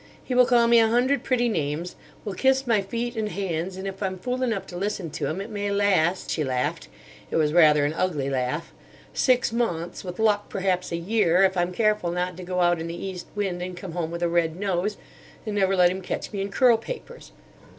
He will call me a hundred pretty names, will kiss my feet and hands. And if I'm fool enough to listen to him, it may last"—she laughed; it was rather an ugly laugh—"six months; with luck perhaps a year, if I'm careful not to go out in the east wind and come home with a red nose, and never let him catch me in curl papers.